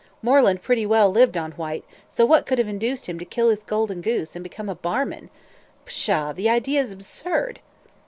Moreland pretty well lived on Whyte, so what could have induced him to kill his golden goose, and become a barman pshaw! the idea is absurd."